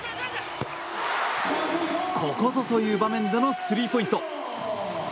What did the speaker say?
ここぞという場面でのスリーポイント。